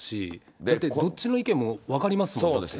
だって、どっちの意見も分かりますもん、そうですね。